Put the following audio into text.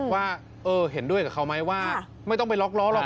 ว่าเห็นด้วยกับเขาไหมว่าไม่ต้องไปล็อกล้อหรอก